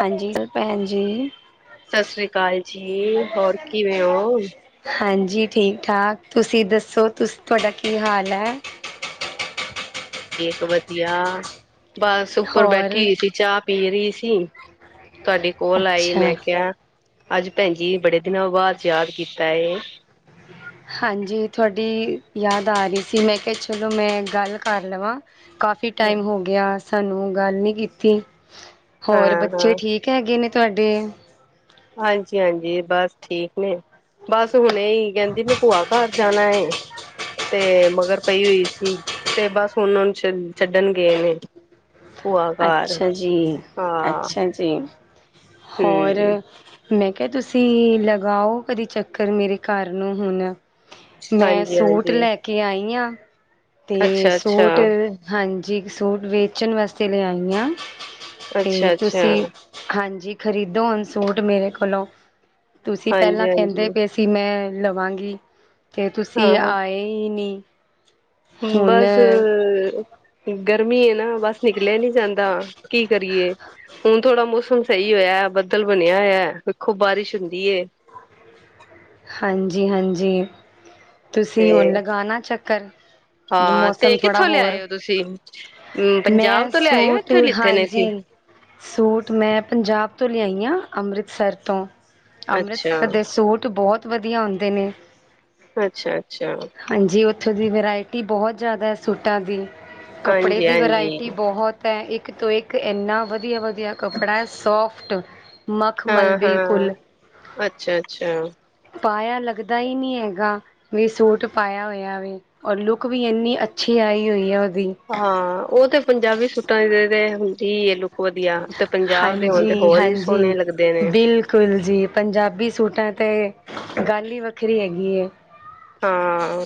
ਹਾਂਜੀ, ਹੋ ਭੈਣ ਜੀ। ਸਤਿ ਸ੍ਰੀ ਅਕਾਲ ਜੀ। ਹੋਰ ਕਿਵੇਂ ਹੋ? ਹਾਂਜੀ, ਠੀਕ-ਠਾਕ ਤੁਸੀਂ ਦੱਸੋ, ਤੁਸ ਤੁਹਾਡਾ ਕੀ ਹਾਲ ਹੈ? ਠੀਕ ਵਧੀਆ, ਬੱਸ ਉੱਪਰ ਹੋਰ ਬੈਠੀ ਹੋਈ ਸੀ। ਚਾਹ ਪੀ ਰਹੀ ਸੀ, ਤੁਹਾਡੀ ਕੋਲ ਆਈ, ਅੱਛਾ ਮੈਂ ਕਿਹਾ ਅੱਜ ਭੈਣਜੀ ਨ, ਬੜੇ ਦਿਨਾਂ ਬਾਅਦ ਯਾਦ ਕੀਤਾ ਏ। ਹਾਂਜੀ, ਥੁਹਾਡੀ ਯਾਦ ਆ ਰਹੀ ਸੀ, ਮੈਂ ਕਿਹਾ ਚਲੋ, ਮੈਂ ਗੱਲ ਕਰ ਲਵਾਂ। ਕਾਫੀ ਟਾਈਮ ਹੋ ਗਿਆ ਸਾਨੂੰ ਗੱਲ ਨੀ ਕੀਤੀ। ਹੋਰ ਬੱਚੇ ਹਾਂ-ਹਾਂ, ਠੀਕ? ਕ ਹੈਗੇ ਨੇ ਤੁਹਾਡੇ? ਹਾਂਜੀ-ਹਾਂਜੀ, ਬਸ ਠੀਕ ਨੇ, ਬਸ ਹੁਣੇ ਈ ਕਹਿੰਦੀ, ਮੈਂ ਭੂਆ ਘਰ ਜਾਣਾ ਏ। ਤੇ, ਮਗਰ ਪਈ ਹੋਈ ਸੀ, ਤੇ ਬਸ ਹੁਨ ਛੱਡ, ਛੱਡਣ ਗਏ ਨੇ। ਭੂਆ ਘਰ, ਅੱਛਾ ਜੀ, ਹਾਂ। ਅੱਛਾ ਜੀ, ਹੋਰ? ਹੂੰ, ਮੈਂ ਕਿਹਾ ਤੁਸੀਂ, ਲਗਾਓ ਕਦੀ ਚੱਕਰ ਮੇਰੇ ਘਰ ਨੂੰ ਹੁਣ। ਮੈਂ ਸੂਟ ਹਾਂਜੀ-ਹਾਂਜੀ, ਲੈਕੇ ਆਈ ਆਂ, ਤੇ ਅੱਛਾ-ਅੱਛਾ, ਸੂਟ ਹਾਂਜੀ, ਕ ਸੂਟ ਵੇਚਣ ਵਾਸਤੇ ਲਿਆਈ ਹਾਂ, ਤੇ ਤੁਸੀਂ ਅੱਛਾ-ਅੱਛਾ। ਹਾਂਜੀ, ਖ਼ਰੀਦੋ ਹੁਣ ਸੂਟ ਮੇਰੇ ਕੋਲੋਂ, ਤੁਸੀਂ ਪਹਿਲਾਂ ਕਹਿੰਦੇ ਹਾਂਜੀ-ਹਾਂਜੀ, ਪੇ ਤੁਸੀਂ, ਮੈਂ, ਲਵਾਂਗੀ ਤੇ ਤੁਸੀਂ ਹਾਂ-ਹਾਂ ਆਏ ਹੀ ਨਹੀਂ। ਹੁਣ ਬਸ ਗਰਮੀ ਏ ਨਾ, ਬਸ ਨਿਕਲਿਆ ਨੀ ਜਾਂਦਾ, ਕੀ ਕਰੀਏ। ਹੁਣ ਥੋੜਾ ਮੌਸਮ ਸਹੀ ਹੋਇਆ, ਬੱਦਲ ਬਣਿਆ ਹੋਇਆ ਵੇਖੋ ਬਾਰਿਸ਼ ਹੁੰਦੀ ਏ। ਹਾਂਜੀ-ਹਾਂਜੀ ਤੇ ਤੁਸੀਂ ਹੁਣ ਲਗਾਣਾ ਚੱਕਰ। ਹਾਂ ਤੇ ਮੌਸਮ ਥੋੜਾ ਕਿੱਥੋਂ ਹੋਰ, ਲਿਆਏ ਹੋ ਤੁਸੀਂ ਹੂੰ ਮੈਂ ਪੰਜਾਬ ਤੋਂ ਲਿਆਏ ਹੋ ਸੂਟ, ਇੱਥੋਂ ਲਿੱਤੇ ਨੇ ਸੀ ਹਾਂਜੀ ਸੂਟ ਮੈਂ ਪੰਜਾਬ ਤੋਂ ਲਿਆਈ ਆਂ, ਅੰਮ੍ਰਿਤਸਰ ਤੋਂ। ਅੱਛਾ, ਅੰਮ੍ਰਿਤਸਰ ਦੇ ਸੂਟ ਬਹੁਤ ਵਧੀਆ ਹੁੰਦੇ ਨੇ। ਅੱਛਾ-ਅੱਛਾ। ਹਾਂਜੀ, ਉੱਥੋਂ ਦੀ ਵਰਾਇਟੀ ਬਹੁਤ ਜ਼ਿਆਦਾ ਸੂਟਾਂ ਦੀ, ਕੱਪੜੇ ਦੀ ਹਾਂਜੀ-ਹਾਂਜੀ, ਵਰਾਇਟੀ ਬਹੁਤ ਤੈ ਇੱਕ ਤੋਂ ਇੱਕ, ਇੰਨਾ ਵਧੀਆ-ਵਧੀਆ ਕੱਪੜਾ ਐ ਸੌਫਟ। ਮਖਮਲ, ਹਾਂ-ਹਾਂ, ਬਿਲਕੁਲ। ਅੱਛਾ-ਅੱਛਾ। ਪਾਇਆ ਲੱਗਦਾ ਹੀ ਨੀ, ਹੇਗਾ। ਵੀ ਸੂਟ ਪਾਇਆ ਹੋਇਆ ਵੇ, ਔਰ ਲੁੱਕ ਵੀ ਇੰਨੀ ਅੱਛੀ ਆਈ ਹੋਈ ਹੈ, ਉਹਦੀ। ਹਾਂ, ਉਹ ਤੇ ਪੰਜਾਬੀ ਸੂਟਾਂ ਦੀ, ਤੇ ਹੁੰਦੀ ਏ ਲੁੱ ਵਧੀਆ, ਤੇ ਪੰਜਾਬ ਦੇ ਹੋਨ ਤੇ, ਹੋਰ ਵੀ ਸੋਹਣੇ ਲੱਗਦੇ ਨੇ। ਬਿਲਕੁੁਲ ਜੀ ਪੰਜਾਬੀ ਸੂਟਾਂ ਤੇ, ਗੱਲ ਹੀ ਵੱਖਰੀ ਹੈਗੀ ਏ। ਹਾਂ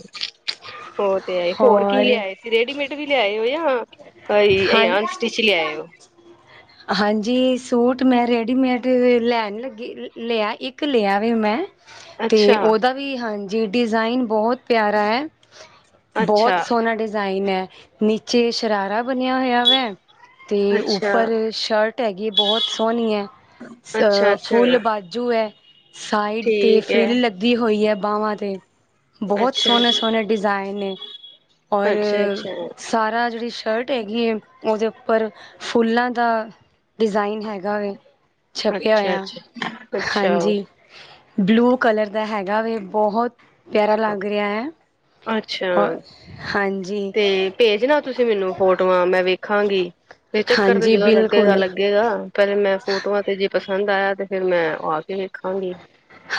ਉਹ ਤੇ ਹੈ ਹੋਰ ਕੀ ਲਿਆਏ ਸੀ ਰੇਡੀਮੇਡ ਵੀ ਲਿਆਏ ਹੋ ਯਾ ਹਾਂ [unintelligible] ਅਨਸਟਿਚ ਲਿਆਇ ਓ [inaudible] ਹਾਂਜੀ ਸੂਟ ਮੈਂ ਰੈਡੀਮੇਡ ਲੈਣ ਲੱਗੀ ਲਿਆ ਇੱਕ ਲਿਆ ਵੇ ਮੈਂ। ਤੇ ਅੱਛਾ ਓਦਾ ਵੀ ਹਾਂਜੀ ਡਿਜ਼ਾਇਨ ਬਹੁਤ ਪਿਆਰਾ ਹੈ। ਬਹੁਤ ਅੱਛਾ ਸੋਹਣਾ ਡਿਜ਼ਾਇਨ ਹੈ ਨੀਚੇ ਸ਼ਰਾਰਾ ਬਣਿਆ ਹੋਇਆ ਵੈ। ਤੇ ਅੱਛਾ ਉੱਪਰ ਸ਼ਰਟ ਹੈਗੀ ਬਹੁਤ ਸੋਹਣੀ ਹੈ ਸ ਅੱਛਾ ਅੱਛਾ ਫੁੱਲ ਬਾਜ ਜੂ ਹੈ ਸਾਈਡ ਤੇ ਠੀਕ ਹੈ ਫਰਿਲ ਲੱਗੀ ਹੋਈ ਹੈ ਬਾਹਵਾਂ ਤੇ। ਬਹੁਤ ਅੱਛਾ ਸੋਹਣੇ ਸੋਹਣੇ ਡਿਜ਼ਾਇਨ ਨੇ ਔਰ ਅੱਛਾ ਅੱਛਾ ਸਾਰਾ ਜਿਹੜੀ ਸ਼ਰਟ ਹੈਗੀ ਹੈ ਉਹਦੇ ਉੱਪਰ ਫੁੱਲਾਂ ਦਾ। ਡਿਜ਼ਾਇਨ ਹੈਗਾ ਵ ਅੱਛਾ ਛਪਿਆ ਹੋਇਆ ਅੱਛਾ ਅੱਛਾ ਹਾਂਜੀ। ਬਲੂ ਕਲਰ ਦਾ ਹੈਗਾ ਵੇ ਬਹੁਤ ਪਿਆਰਾ ਲੱਗ ਰਿਹਾ ਹੈ। ਅੱਛਾ ਅ ਹਾਂਜੀ। ਤੇ ਭੇਜਣਾ ਤੁਸੀਂ ਮੈਨੂੰ ਫੋਟੋਆਂ ਮੈਂ ਵੇਖਾਂਗੀ ਤੇ ਚੱਕਰ ਤੇ ਹਾਂਜੀ ਜਦੋਂ ਲੱਗੇਗਾ ਬਿਲਕੁਲ ਲੱਗੇਗਾ। ਪਰਹਿਲੇ ਮੈਂ ਫੋਟੋਆਂ, ਤੇ ਜੇਦ ਪਸੰਦ ਆਇਆ ਤੇ ਫੇਿਰ ਮੈਂ ਆ ਕੇ ਵੇਖਾਂਗੀ।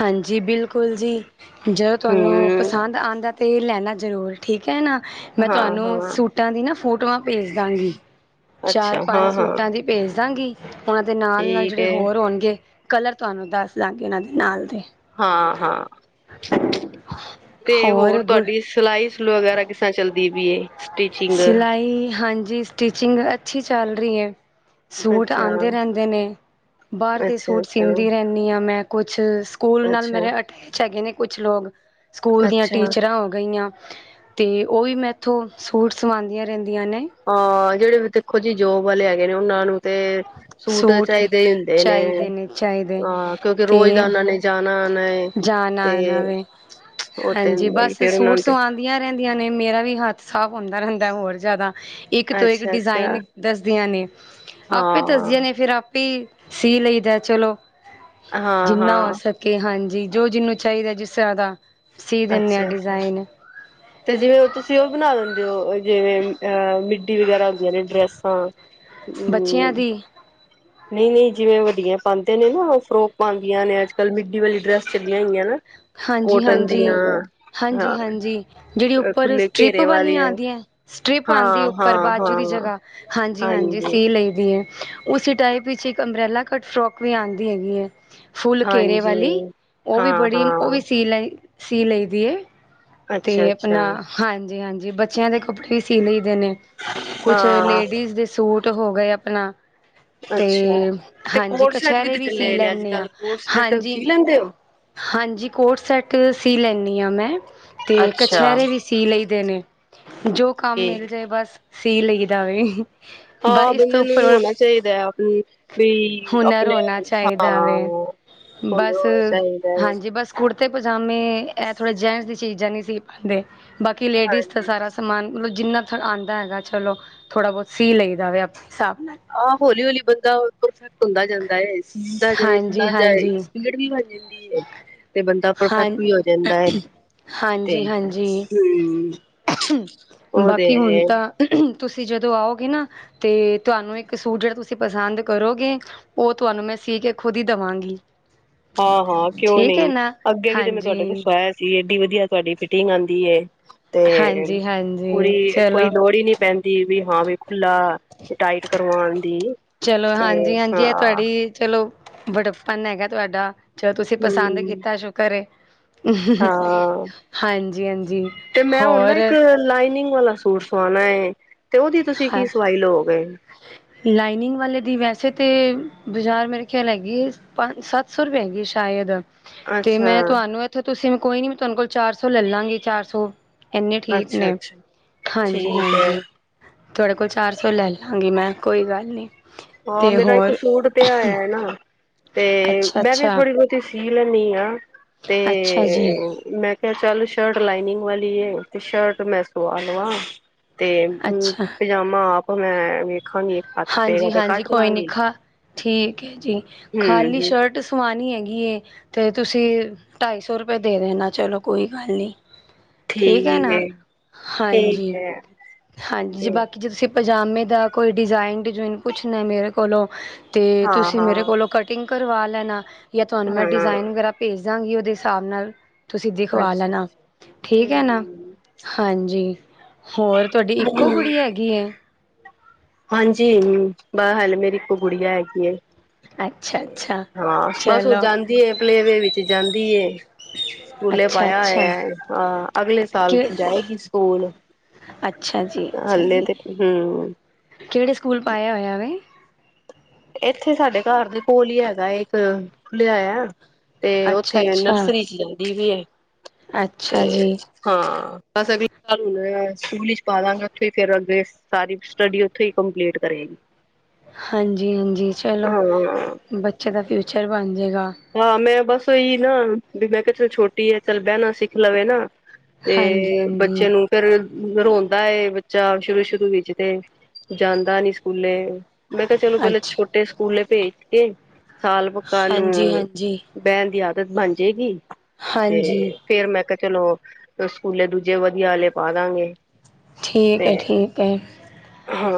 ਹਾਂਜੀ ਬਿਲਕੁਲ ਜੀ, ਜਦੋਂ ਤੁਹਾਨੂੰ ਹਮ ਪਸੰਦ ਆਉਂਦਾ ਤੇ ਲੈਣਾ ਜ਼ਰੂਰ। ਠੀਕ ਹੈ ਨਾ, ਮੈਂ ਹਾਂ ਤੁਹਾਨੂੰ ਹਾਂ ਸੂਟਾਂ ਦੀ ਨਾ ਫੋਟੋਆਂ ਭੇਜ ਦਾਂਗੀ। ਚਾਰ, ਅੱਛਾ ਪੰਜ ਹਾਂ ਹਾਂ ਸੂਟਾਂ ਦੀ ਭੇਜ ਦਾਂਗੀ। ਉਹਨਾਂ ਦੇ ਨਾਲ- ਨਾਲ ਠੀਕ ਜਿਹੜੇ ਹੈ ਹੋਰ ਹੋਣਗੇ ਕਲਰ ਤੁਹਾਨੂੰ ਦੱਸ ਦਾਂਗੇ ਇਹਨਾਂ ਦੇ। ਨਾਲ ਦੇ ਹਾਂ- ਹਾਂ- [inaudible] [inaudible] ਤੇ ਹੋਰ ਤੁਹਾਡੀ ਸਿਲਾਈ ਸਲੂ ਵਗੈਰਾ ਕਿਸਾਂ ਚੱਲਦੀ ਪਈ, ਸਟੀਿਚਿੰਗ ਹਾਂਜੀ ਸਟੀਚਿੰਗ ਅੱਛੀ ਚੱਲ ਰਹੀ ਹੈ। ਸੂਟ ਅੱਛਾ ਆਉਂਦੇ ਰਹਿੰਦੇ ਨੇ -ਬਾਹਰ ਦੇ ਅੱਛਾ ਸੂਟ ਅੱਛਾ ਸੀੀਂਦੀ ਰਹਿੰਦੀ ਹਾਂ। ਮੈਂ ਕੁਛ ਸਕੂਲ ਨਾਲ ਅੱਛਾ ਮੇਰੇ ਅਟੈਚ ਹੈਗੇ ਨੇ ਕੁਛ ਲੋਕ, ਸਕੂਲ ਦੀਆਂ ਅੱਛਾ ਟੀਚਰਾਂ ਹੋ ਗਈਆਂ। ਅਤੇ ਉਹ ਵੀ ਮੈਂ ਇੱਥੋਂ, ਸੂਟ ਸਵਾਉਂਦੀਆਂ ਰਹਿੰਦੀਆਂ ਨੇ। ਹਾਂ ਜਿਹੜੇ ਦੇਖੋ ਜੀ, ਜੋਬ ਵਾਲੇ ਹੈਗੇ ਨੇ ਉਹਨਾਂ ਨੂੰ ਤੇ ਸੂਟ ਚਾਹੀਦੇ ਹੀ ਹੁੰਦੇ ਨੇ, ਚਾਹੀਦੇ ਚਾਹੀਦੇ ਹਾਂ ਕਿਉਂਕਿ ਤੇ ਰੋਜ਼ ਦਾ ਉਹਨਾਂ ਨੇ ਜਾਣਾ ਆਨਾ ਏ। ਜਾਣਾ- ਤੇ ਆਣਾ ਵ ਉਹ ਤੇ ਹਾਂਜੀ, ਹੁੰਦਾ ਹੀ ਬਸ ਫੇਰ ਉਹਨਾਂ ਸੂਟ ਨੂੰ ਤੇ ਸਵਾ ਦੇਂਦੀਆਂ ਰਹਿੰਦੀਆਂ ਨੇ, ਮੇਰਾ ਵੀ ਹੱਥ ਸਾਫ਼ ਹੁੰਦਾ ਰਹਿੰਦਾ ਹੋਰ ਜ਼ਿਆਦਾ ਇੱਕ ਤੋਂ ਇੱਕ ਅੱਛਾ ਅੱਛਾ ਡਿਜ਼ਾਇਨ ਦੱਸਦੀਆਂ ਨੇ। ਇਹ ਦੱਸਦੀਆਂ ਹਾਂ ਨੇ ਫਿਰ ਆਪੀ ਸੀ ਲਈਦਾ ਚਲੋ, ਹਾਂ ਜਿੰਨਾ ਹਾਂ ਕੇ ਹਾਂਜੀ, ਜੋ ਜਿਹਨੂੰ ਚਾਹੀਦਾ ਜਿਸ ਤਰ੍ਹਾਂ ਦਾ ਸੀ ਦਿੰਦੇ ਹਾਂ ਅੱਛਾ- ਅੱਛਾ। [inaudible] ਤੇ ਜਿਵੇਂ ਤੁਸੀਂ ਉਹ ਬਣਾ ਦਿੰਦੇ ਹੋ, ਜਿਵੇਂ ਅ ਮਿੱਡੀ, ਵਗੈਰਾ ਹੁੰਦੀਆਂ ਨੇ ਡਰੈਸਾਂ। ਬੱਚਿਆਂ ਹਮ ਦੀ ਨਹੀਂ- ਨਹੀਂ ਜਿਵੇਂ ਵੱਡੀਆਂ ਪਾਉਂਦੇ ਨੇ ਨਾ ਫਰੋਕ ਬਣਦੀਆਂ ਨੇ ਅੱਜਕੱਲ ਮਿੱਢੀ ਵਾਲੀ ਡਰੈਸ ਚੱਲੀਆਂ ਹੋਈਆਂ ਨਾ- ਹਾਂਜੀ- ਕੋਟਨ ਹਾਂਜੀ ਦੀਆਂ ਹਾਂਜੀ ਹਾਂ -ਹਾਂਜੀ ਜਿਹੜੀ ਉੱਪਰ ਖੁੱਲੇ ਸਟ੍ਰਿਪ ਘੇਰੇ ਵਾਲੀਆਂ ਆਉਂਦੀਆਂ, ਸਟ੍ਰਿਪ ਆਉਂਦੀ ਹਾਂ ਉੱਪਰ ਹਾਂ ਬਾਜੂ ਦੀ ਹਾਂ ਜਗ੍ਹਾ ਹਾਂਜੀ -ਹਾਂਜੀ ਸੀ ਲਈ ਦੀ ਹੈ। ਉਸ ਟਾਈਪ ਵਿਚ ਇੱਕ ਅੰਬ੍ਰੇਲਾ ਕੱਟ ਫਰੋਕ ਵੀ ਆਉਂਦੀ ਹੈਗੀ ਹੈ। ਫੁੱਲ ਕੇਰੇ ਹਾਂਜੀ ਵਾਲੀ ਉਹ ਵੀ ਹਾਂ ਬੜੀ ਉਹ ਹਾਂ ਵੀ ਸੀ ਲਈ ਦੀਏ ਅਤੇ ਅੱਛਾ ਅੱਛਾ ਆਪਣਾ ਹਾਂਜੀ, ਹਾਂਜੀ ਬੱਚਿਆਂ ਦੇ ਕੱਪੜੇ ਵੀ ਸੀ ਲਈਦੇ ਨੇ ਕੁਛ ਹਾਂ ਲੇਡੀਜ਼ ਦੇ ਸੂਟ ਹੋ ਗਏ ਅਪਨਾ ਤੇ ਅੱਛਾ ਤੇ ਹਾਂਜੀ, ਕੋਟ ਸੈਟ ਕਛਹਿਰੇ ਤੇ ਵੀ ਸੀ ਚੱਲੇ ਨੇ ਅੱਜ ਲੈਂਦੇ ਹਾਂ ਕੱਲ ਕੋਟ ਸੈਟ ਸੀ ਹਾਂਜੀ। ਲੈਂਦੇ ਹੋ ਹਾਂਜੀ, ਕੋਟ ਸੈਟ ਸੀ ਲੈਂਦੀ ਹਾਂ ਮੈਂ। ਅਤੇ ਅੱਛਾ ਕਛਹਿਰੇ ਵੀ ਸੀ ਲਈਦੇ ਨੇ, ਜੋ ਕੰਮ ਤੇ ਮਿਲ ਜਾਏ ਬਸ ਸੀ ਲਈਦਾ ਵੀ ਆ ਬੰਦੇ ਨੂੰ ਹੋਣਾ ਚਾਹੀਦਾ, ਆਪ ਵੀ ਹੁਨਰ ਆਪਣੇ ਹੋਣਾ ਹਾਂ ਚਾਹੀਦਾ ਵੇ ਹੋ। ਬਸ ਹਾਂਜੀ ਬਸ ਕੁੜਤੇ ਪਜਾਮੇ ਇਹ ਥੋੜ੍ਹੇ ਜੈਂਟਸ ਦੀ ਚੀਜ਼ਾਂ ਨਹੀਂ ਸੀ ਪਾਉਂਦੇ। ਬਾਕੀ, ਲੇਡੀਜ਼ ਦਾ ਹਾਂਜੀ ਸਾਰਾ ਸਮਾਨ ਜਿੰਨਾ ਆਉਂਦਾ ਹੈਗਾ, ਚਲੋ ਥੋੜ੍ਹਾ ਬਹੁਤ ਸੀ ਲਈ ਦਾਵੇ ਆਪਣੇ ਹਿਸਾਬ ਨਾਲ। ਆਹ ਹੌਲੀ- ਹੌਲੀ ਬੰਦਾ ਪਰਫੈਕਟ ਹੁੰਦਾ ਜਾਂਦਾ ਏ ਬਣ ਹਾਂਜੀ ਹਾਂਜੀ ਜਾਂਦੀ ਹੈ ਤੇ ਬੰਦਾ ਹਾਂ ਪਰਫੈਕਟ ਵੀ ਹੋ ਜਾਂਦਾ ਹੈ। ਤੇ ਹਾਂਜੀ ਹਾਂਜੀ ਹ ਉਹ ਤੇ ਬਾਕੀ ਹੁਣ ਤਾਂ ਤੁਸੀਂ ਜਦੋਂ ਆਓਗੇ ਨਾ, ਤੇ ਤੁਹਾਨੂੰ ਇੱਕ ਸੂਟ ਜਿਹੜਾ ਤੁਸੀਂ ਪਸੰਦ ਕਰੋਗੇ। ਉਹ ਤੁਹਾਨੂੰ ਮੈਂ ਸੀ ਕੇ ਖੁਦ ਹੀ ਦੇਵਾਂਗੀ। ਹਾਂ ਹਾਂ ਕਿਉਂ ਠੀਕ ਹੈ ਨਹੀਂ, ਨਾ ਅੱਗੇ ਵੀ ਤੇ ਮੈਂ ਹਾਂਜੀ ਤੁਹਾਡੇ ਕੋਲ ਸਵਇਆ ਸੀ ਏਡੀ ਵਧੀਆ ਤੁਹਾਡੀ ਫਿਟਿੰਗ ਆਉਂਦੀ ਏ। ਤੇ ਹਾਂਜੀ ਹਾਂਜੀ ਪੂਰੀ ਕੋਈ ਚਲੋ ਲੋੜ ਹੀ ਨੀ ਪਹਿੰਦੀ ਵੀ ਹਾਂ ਵੀ ਖੁਲਾ ਟਾਈਟ ਕਰਵਾਉਣ ਦੀ। ਚਲੋ। ਤੇ ਹਾਂਜੀ-ਹਾਂਜੀ। ਇਹ। ਹਾਂ ਤੁਹਾਡੀ। ਚਲੋ। ਬਡਪਨ ਹੈਗਾ ਤੁਹਾਡਾ ਜਲ। ਤੁਸੀਂ ਪਸੰਦ ਹੂੰ ਕੀਤਾ ਸ਼ੁਕਰ। ਹਾਂ। ਹਾਂਜੀ ਹਾਂਜੀ ਤੇ ਮੈਂ ਹੁਣ ਨਾ ਹੋਰ ਇੱਕ ਲਾਈਨਿੰਗ ਵਾਲਾ ਸੂਟ। ਸਵਾਣਾ। ਤੇ ਉਹਦੀ ਤੁਸੀਂ ਕੀ ਹਾਂ ਸਵਾਈ ਲਓਗੇ। ਲਾਈਨਿੰਗ ਵਾਲੇ ਦੀ ਵੈਸੇ ਤੇ। ਬਾਜ਼ਾਰ ਮੇਰੇ ਖਿਆਲ ਹੈਗੀ ਪੰਜ ਸੱਤ ਸੌ ਰੁਪਏ ਹੈਗੀ ਸ਼ਾਇਦ ਤੇ ਅੱਛਾ ਮੈਂ ਤੁਹਾਨੂੰ। ਉੱਥੇ ਤੁਸੀਂ ਮ ਕੋਈ ਨੀ ਮੈਂ ਤੁਹਾਨੂੰ ਕੋਲ ਚਾਰ ਸੌ ਲੈ ਲਾਂਗੀ ਚਾਰ ਸੌ। ਇੰਨੇ ਠੀਕ ਅੱਛਾ ਨੇ ਅੱਛਾ ਠੀਕ ਹੈ ਹਾਂਜੀ-ਹਾਂਜੀ। ਤੁਹਾਡੇ ਕੋਲ ਚਾਰ ਸੌ ਲੈ ਲਵਾਂਗੀ ਮੈਂ ਕੋਈ ਗੱਲ ਨਹੀਂ। ਹਾਂ ਤੇ ਮੇਰਾ ਇੱਕ ਹੋਰ ਸੂਟ ਪਿਆਇ ਨਾ ਤੇ ਅੱਛਾ ਮੈਂ ਅੱਛਾ ਵੀਥੋੜੀ। ਸੀ। ਲੈਂਦੀ। ਹਾਂ। ਤੇ। ਅੱਛਾ ਜੀ ਮੈਂ ਕਿਹਾ ਚੱਲ ਸ਼ਰਟ ਲਾਈਨਿੰਗ ਵਾਲੀ ਹੈ ਤੇ ਸ਼ਰਟ ਮੈਂ ਸਆ ਲਵ। ਤੇ ਅੱਛਾ ਪਜਾਮਾ ਆਪ ਮੈਂ ਵੇਖਾਂ ਨਹੀਂ ਹੱਥ ਪੇ। ਹਾਂਜੀ ਹਾਂਜੀ ਕੋਈ ਨੀ ਖਾ ਠੀਕ ਹੈ ਜੀ ਹੂੰ ਖਾਲੀ ਹੂੰ ਸ਼ਰਟ ਸਵਾਣੀ ਹੈਗੀ। ਤੇ ਤੁਸੀਂ ਢਾਈ ਸੌ ਰੁਪਏ ਦੇ ਦੇਣਾ ਚਲੋ ਕੋਈ ਗੱਲ ਨਹੀਂ। ਠੀਕ। ਹੈ ਨਾ ਠੀਕ ਹਾਂਜੀ। ਹੈ ਹਾਂਜੀ ਜੇ ਤੇ ਬਾਕੀ ਜੇ ਤੁਸੀਂ ਪਜਾਮੇ ਦਾ ਕੋਈ ਡਿਜ਼ਾਇਨ ਡਿਜ਼ਨ ਪੁੱਛਣਾ ਮੇਰੇ ਕੋਲੋਂ। ਅਤੇ ਹਾਂ ਤੁਸੀਂ ਮੇਰੇ ਹਾਂ ਕੋਲੋਂ ਕਟਿੰਗ ਕਰਵਾ ਲੈਣਾ ਜਾਂ ਤੁਹਾਨੂੰ ਮੈਂ ਹਾਂ ਡਿਜ਼ਾਇਨ ਵਗੈਰਾ। ਭੇਜ ਦਾਂਗੀ ਉਹਦੇ ਹਿਸਾਬ ਨਾਲ। ਤੁਸੀਂ ਦਿਖਵਾ ਅੱਛਾ ਲੈਣਾ ਅੱਛਾ ਠੀਕ ਹੈ ਹਮ ਨਾ ਹਮ ਹਾਂਜੀ ਹੋਰ। ਤੁਹਾਡੀ ਇੱਕੋ ਕੁੜੀ ਹੈਗੀ ਹੈ। ਹਾਂਜੀ ਬ ਹਾਲ ਮੇਰੀ ਇੱਕ ਗੁੜੀਆ ਹੈਗੀ। ਅੱਛਾ ਅੱਛਾ ਹਾਂ ਬਸ ਹੁਣ ਚਲੋ ਜਾਂਦੀ ਪਲੇਵੇ ਵਿੱਚ ਜਾਂਦੀ। ਸਕੂਲੇ ਅੱਛਾ ਪਾਇਆ ਅੱਛਾ ਹੋਇਆ ਹਾਂ ਅਗਲੇ ਸਾਲ ਕਿ ਜਾਏਗੀ ਸਕੂਲ। ਅੱਛਾ ਜੀ ਅੱਛਾ ਹਲੇ ਜੀ ਤੇ ਹਮ ਕਿਹੜੇ ਸਕੂਲ ਪਾਇਆ ਹੋਇਆ ਵ। ਇੱਥੇ ਸਾਡੇ ਘਰ ਦੇ ਕੋਲ ਹੀ ਹੈਗਾ ਇੱਕ ਖੁੱਲਿਆ ਹੋਇਆ। ਤੇ ਅੱਛਾ ਉਥੇ ਅੱਛਾ ਨਰਸਰੀ ਚਲਦੀ ਵੀ ਹ ਤੇ। ਅੱਛਾ ਜੀ ਹਾਂ ਬਸ ਅਗਲੇ ਸਾਲ ਹ ਸਕੂਲ ਚ ਪਾ ਦਵਾਂਗੇ ਉੱਥੇ ਹੀ ਫਿਰ ਅੱਗੇ। ਸਾਰੀ ਸਟੱਡੀ ਉੱਥੇ ਹੀ ਕੰਪਲੀਟ ਕਰੇਗੀ। ਹਾਂਜੀ-ਹਾਂਜੀ ਚਲੋ ਹਾਂ, ਬੱਚੇ ਦਾ ਫਿਊਚਰ ਬਣ ਜਾਏਗਾ। ਹਾਂ ਮੈਂ ਬਸ ਇਹੀ ਨਾ ਵੀ ਮੈਂ ਕਿਹਾ ਚਲ ਛੋਟੀ ਹੈ ਚੱਲ ਬਹਿਣਾ ਸਿੱਖ ਲਵੇ ਨਾ। ਤੇ। ਹਾਂਜੀ ਹਾਂਜੀ ਬੱਚੇ। ਨੂੰ। ਫੇਰ ਰੋਂਦਾ। ਬੱਚਾ ਸ਼ੁਰੂ ਸ਼ੁਰੂ ਵਿੱਚ ਤੇ ਜਾਂਦਾ ਨੀ ਸਕੂਲੇ। ਮੈਂ ਕਿਹਾ ਚਲੋ ਪਹਿਲਾਂ ਅੱਛਾ ਛੋਟੇ ਸਕੂਲੇ ਭੇਜ ਕੇ ਸਾਲ ਪੱਕਾ ਹਾਂਜੀ ਨੂੰ। ਹਾਂਜੀ ਬਹਿਣ ਦੀ ਆਦਤ ਬਣ ਜਾਏਗੀ ਤੇ ਹਾਂਜੀ ਫੇਰ ਮੈਂ। ਚਲੋ ਸਕੂਲੇ ਦੂਜੇ ਵਧੀਆਲੇ ਪਾ ਦਾਂਗੇ। ਠੀਕ ਤੇ ਹੈ ਠੀਕ ਹੈ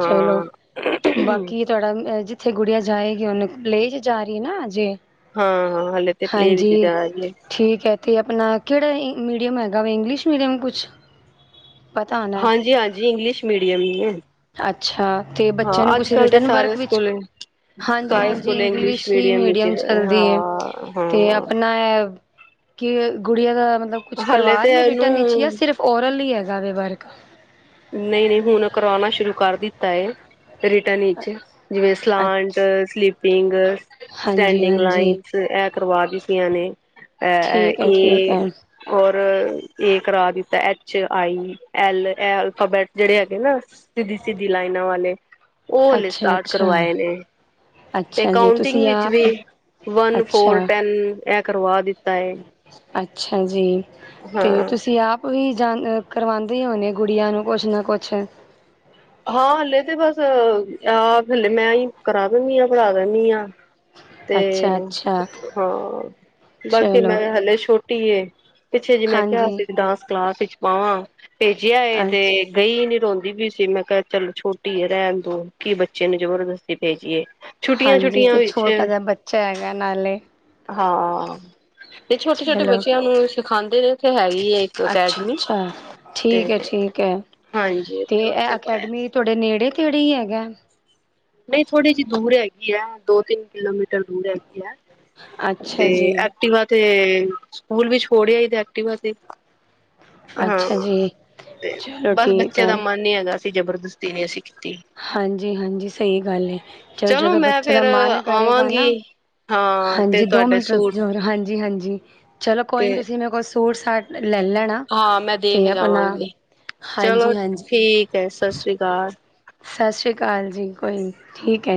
ਚਲੋ ਬਾਕੀ। ਜਿੱਥੇ ਗੁੜੀਆਂ ਜਾਏਗੀ ਉਹਨੂੰ ਪਲੇ 'ਜਾ ਰਹੀ ਹੈ ਨਾ ਅਜੇ। ਹਾਂ ਹਾਂ ਹਲੇੇ ਤੇ ਪਲੇਰ ਵਿੱਚ ਜਾ ਆਇ ਏ। ਅਤੇ ਆਪਣਾ ਕਿਹੜਾ ਮੀਡੀਅਮ ਹੈਗਾ ਵਾ ਇੰਗਲਿਸ਼ ਮੀਡੀਅਮ ਕੁਛ। ਪਤਾ ਹੋਣਾ ਹਾਂਜੀ ਹਾਂਜੀ ਇੰਗਲਿਸ਼ ਮੀਡੀਅਮ ਹੀ ਹੈ। ਅੱਛਾ ਤੇ ਬੱਚੇ ਨੂੰ ਕੁਛ ਰਿਟਰਨ ਸਾਰੇ ਵਰਕ ਵਿੱਚ ਸਕੂਲ ਹਾਂਜੀ ਸਾਰੇ ਹਾਂਜੀ ਸਕੂਲ ਇੰਗਲਿਸ਼। ਅ ਵਿੱਚ ਮੀਡੀਅਮ ਚਲਦੀ ਹਾਂ ਤੇ ਹਾਂ ਆਪਣਾ ਗੂੜੀਆਂ ਦਾ। ਮਤਲਬ ਕੁਛ ਹਾਲੇ ਕਰਵਾ ਤੇ ਰਹੇ ਰਿਟਰਨ ਇਹਨੂੰ ਹੀ ਸਿਰਫ ਓਰਲ ਹੀ ਹੈਗਾ ਵਰਕ। ਨਹੀਂ ਨਹੀਂ ਹੁਣ ਕਰਵਾਉਣਾ ਸ਼ੁਰੂ ਕਰ ਦਿੱਤਾ ਹੈ। ਰਿਟਰਨ ਵਿਚ ਜਿਵੇਂ ਸਲਾਂਟ ਸਲੀਪਿੰਗ। ਹਾਂਜੀ ਸਟੈਂਡਿੰਗ ਹਾਂਜੀ ਲਾਈਨ ਚ ਇਹ ਕਰਵਾ ਦਿੱਤੀਆ ਨੇ ਠੀਕ ਅ ਹੈ ਠੀਕ ਹੈ ਇਹ। ਔਰ ਇਹ ਕਰਾ ਦਿੱਤਾ ਐਚ ਆਈ ਐਲ। ਬੈ ਜਿਹੜੇ ਹੈਗੇ ਨਾ ਸਿੱਧੀ ਸਿੱਧੀ ਲਾਈਨਾਂ ਵਾਲੇ। ਉ ਹਲੇ ਅੱਛਾ ਸਟਾਰਟ ਅੱਛਾ ਕਰਵਾਏ ਨੇ। ਤੇ ਅੱਛਾ ਜੀ ਕਾਉਂਟਿੰਗ ਤੁਸੀਂ ਵਿਚ ਆਪ ਵੀ ਵਨ ਅੱਛਾ ਫੋਰ ਟੈਨ ਇਹ ਕਰਵਾ ਦਿੱਤਾ ਏ। ਅੱਛਾ ਜੀ ਤੇ ਤੁਸੀਂ ਆਪ ਉਹੀ ਜਾ ਕਰਵਾਉਂਦੇ ਹੋਣੇ ਗੁੜੀਆਂ ਨੂੰ ਕੁਛ ਨਾ ਕੁਛ ਹਾਂ ਹਲੇ ਤੇ ਬਸ ਆਹ ਹਲੇ ਮੈਂ ਹੀ ਕਰਾ ਦਿੰਦੀ ਆਂ ਪੜ੍ਹਾ ਦਿੰਦੀ ਆਂ। [inaudible] ਤੇ ਅੱਛਾ ਹਾਂ। ਬਾਕੀ ਚਲੋ ਮੈਂ ਹਲੇ ਛੋਟੀ ਪਿੱਛੇ ਜਿ ਮੈਂ ਕਿਹਾ ਹਾਂਜੀ ਸੀ ਡਾਂਸ ਕਲਾਸ ਵਿੱਚ ਮਾਵਾਂ ਭੇਜਿਆ ਇਹ ਤੇ ਅੱਛ ਗਈ ਨੀ ਰੋਂਦੀ ਵੀ ਸੀ ਮੈਂ ਚੱਲ ਛੋਟੀ ਹੈ ਰਹਿਣ ਦੋ ਕੀ ਬੱਚੇ ਨੂੰ ਜਬਰਦਸਤੀ ਭੇਜੀਏ। ਛੁੱਟੀਆਂ ਹਾਂਜੀ ਛੁੱਟੀਆਂ ਤੇ ਵਿੱਚ ਛੋਟਾ ਜਿਹਾ ਬੱਚਾ ਹੈਗਾ ਨਾਲੇ ਹਾਂ ਤੇ ਛੋਟੇ ਛੋਟੇ ਚਲੋ ਬੱਚਿਆਂ ਨੂੰ ਸਿਖਾਂਦੇ ਨੇ ਉੱਥੇ ਹੈ ਹੀ ਅੱਛਾ- ਅੱਛਾ ਠੀਕ ਹੈ ਠੀਕ ਹੈ ਹਾਂਜੀ ਤੇ ਇਹ ਉੱਥੇ ਪਾਇਆ ਅਕੈਡਮੀ ਤੁਹਾਡੇ ਨੇੜੇ ਤੇੜੇ ਹੀ ਹੈਗਾ। ਨਹੀਂ ਥੋੜੀ ਜਿਹੀ ਦੂਰ ਹੈਗੀ ਹੈ ਦੋ ਤਿੰਨ ਕਿਲੋਮੀਟਰ ਦੂਰ ਹੈਗੀ ਹੈ। ਅੱਛਾ ਤੇ ਜੀ ਐਕਟੀਵਾ ਤੇ ਸਕੂਲ ਵੀ ਛੋੜਿਆ ਸੀ ਤੇ ਐਕਟੀਵਾ ਤੇ ਹਾਂ ਅੱਛਾ ਜੀ ਤੇ ਚਲੋ ਬਸ ਠੀਕ ਬੱਚੇ ਹੈ ਦਾ ਮਨ ਨ ਹੈਗਾ ਅਸੀਂ ਜਬਰਦਸਤੀ ਨੀ ਅਸੀਂ ਕੀਤੀ। ਹਾਂਜੀ -ਹਾਂਜੀ ਸਹੀ ਗੱਲ ਹੈ ਚਲੋ ਜਦੋਂ ਮੈਂ ਬੱਚੇ ਦਾ ਫੇਰ ਮਨ ਕਰੇਗਾ ਨਾ। ਆਵਾਂਗੀ ਹਾਂ ਤੇ ਹਾਂਜੀ ਦੋ ਤੁਹਾਡੇ ਮਿੰਟ ਰੱਖ ਸੂਟ ਹੋਰ ਹਾਂਜੀ- ਹਾਂਜੀ ਚਲੋ ਕੋਈ ਤੇ ਨੀ ਤੁਸੀਂ ਮੈਂ ਕੁਛ ਸੂਟ ਸਾਟ ਲੇ ਲੈਣਾ। ਹਾਂ ਮੈਂ ਦੇਖ ਤੇ ਆਪਣਾ ਜਾਵਾਂਗੀ ਚਲੋ ਹਾਂਜੀ-ਹਾਂਜੀ ਠੀਕ ਹੈ ਸਤਿ ਸ੍ਰੀ ਅਕਾਲ। ਸਤਿ ਸ਼੍ਰੀ ਅਕਾਲ ਜੀ ਕੋਈ ਠੀਕ ਹੈ ਜੀ।